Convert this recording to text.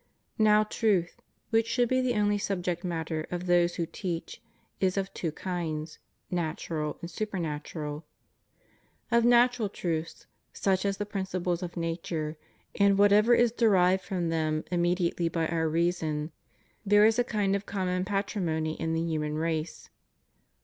Now truth, which should be the only subject matter of those who teach, is of two kinds, natural and supernatural. Of natural truths, such as the principles of nature and whatever is derived from them immediately by our reason, there is a kind of com mon patrimony in the human race.